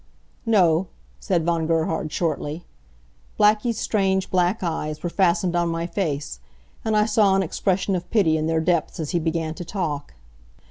"No," said Von Gerhard, shortly. Blackie's strange black eyes were fastened on my face, and I saw an expression of pity in their depths as he began to talk.